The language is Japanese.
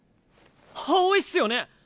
青いっすよね？